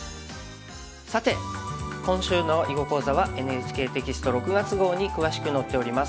さて今週の囲碁講座はＮＨＫテキスト６月号に詳しく載っております。